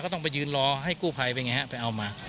ก็ต้องไปยืนรอให้กู้ภัยไปเอามา